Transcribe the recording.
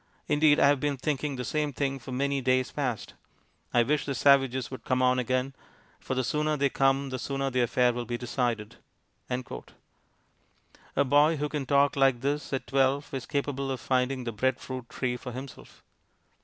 Indeed I have been thinking the same thing for many days past.... I wish the savages would come on again, for the sooner they come the sooner the affair will be decided." A boy who can talk like this at twelve is capable of finding the bread fruit tree for himself.